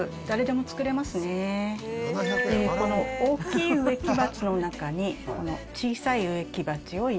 この大きい植木鉢の中にこの小さい植木鉢を入れます。